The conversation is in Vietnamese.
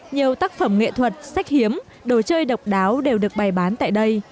nhiều tác phẩm nghệ thuật sách hiếm đồ chơi độc đáo đều được bày bán tại đây